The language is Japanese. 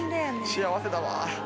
幸せだわ。